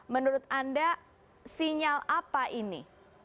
menurut anda sinyal apa ini